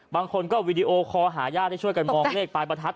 บางคนก็วีดีโอคอหาญาติให้ช่วยกันมองเลขปลายประทัด